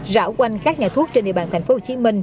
rão quanh các nhà thuốc trên địa bàn tp hcm